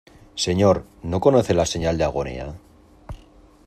¿ señor, no conoce la señal de agonía?